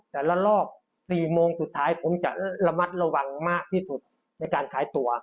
แต่ละรอบ๔โมงสุดท้ายผมจะระมัดระวังมากที่สุดในการขายตัว